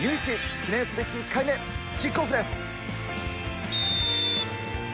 記念すべき１回目、キックオフです。